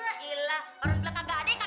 baru bilang kagak ada kagak ada